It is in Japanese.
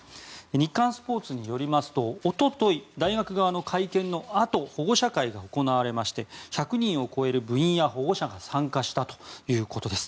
日刊スポーツによりますと一昨日、大学側の会見のあと保護者会が行われまして１００人を超える部員や保護者が参加したということです。